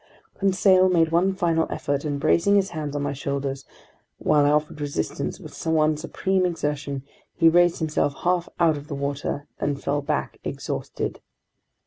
Conseil made one final effort, and bracing his hands on my shoulders, while I offered resistance with one supreme exertion, he raised himself half out of the water, then fell back exhausted.